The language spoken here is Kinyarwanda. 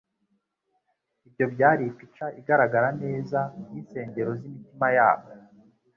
ibyo byari ipica igaragara neza y'insengero z'imitima yabo